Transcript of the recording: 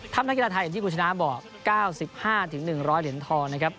นักกีฬาไทยอย่างที่คุณชนะบอก๙๕๑๐๐เหรียญทองนะครับ